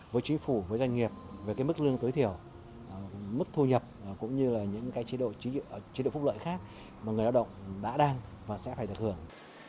với chính phủ với doanh nghiệp về mức lương tối thiểu mức thu nhập cũng như là những chế độ phúc lợi khác mà người lao động đã đang và sẽ phải được hưởng